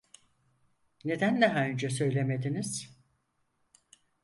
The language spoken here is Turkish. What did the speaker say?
Neden daha önce söylemediniz?